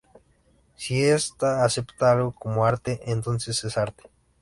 Si esta acepta algo como arte, entonces es arte.